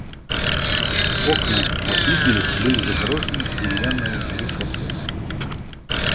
Окны во флигеле были загорожены деревянною решеткою.